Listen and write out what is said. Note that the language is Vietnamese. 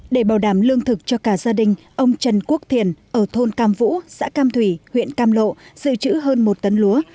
để bảo đảm lương thực cho cả gia đình ông trần quốc thiền ở thôn cam vũ xã cam thủy huyện cam lộ dự trữ hơn một tấn lúa